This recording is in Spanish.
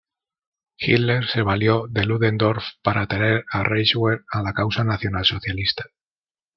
Hitler se valió de Ludendorff para atraer al Reichswehr a la causa nacionalsocialista.